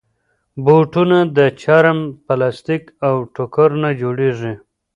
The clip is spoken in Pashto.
بوټونه د چرم، پلاسټیک، او ټوکر نه جوړېږي.